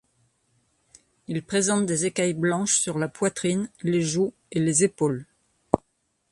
Il présente des écailles blanches sur la poitrine, les joues et les épaules.